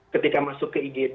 ketika masuk ke igd